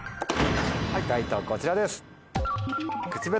解答こちらです。